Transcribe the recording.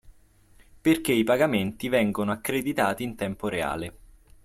Perché i pagamenti vengono accreditati in tempo reale